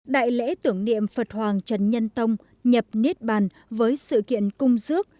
đại lễ tưởng niệm phật hoàng trần nhân tông nhập niết bàn với sự kiện cung dước